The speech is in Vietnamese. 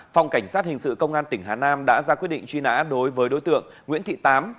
phòng cảnh sát hình sự công an tỉnh hà nam đã ra quyết định truy nã đối với đối tượng nguyễn thị tám